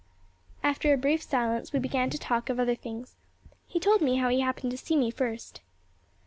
After a brief silence we began to talk of other things. He told me how he happened to see me first.